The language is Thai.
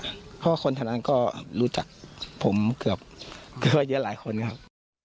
เพราะว่าคนแถวนั้นก็รู้จักผมเกือบเยอะหลายคนครับ